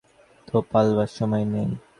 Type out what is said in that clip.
পাছে অহংকারে ঘা লাগে বলে আর তো পালাবার সময় নেই।